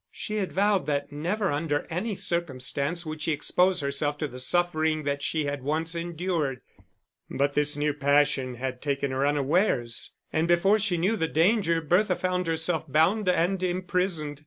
She had vowed that never under any circumstance would she expose herself to the suffering that she had once endured. But this new passion had taken her unawares, and before she knew the danger Bertha found herself bound and imprisoned.